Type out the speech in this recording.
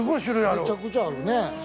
めちゃくちゃあるね。